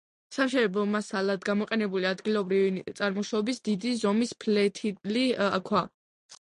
სამშენებლო მასალად გამოყენებულია ადგილობრივი წარმოშობის დიდი ზომის ფლეთილი ქვა.